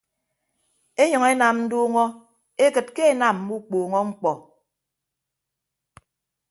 Enyʌñ enam nduuñọ ekịt ke enam mme ukpuuñọ ñkpọ.